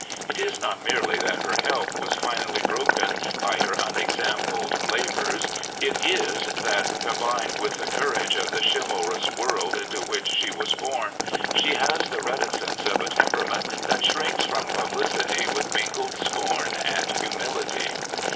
It is not merely that her health was finally broken by her unexampled labours: it is that, combined with the courage of the chivalrous world into which she was born, she has the reticence of a temperament that shrinks from publicity with mingled scorn and humility.